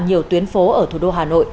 nhiều tuyến phố ở thủ đô hà nội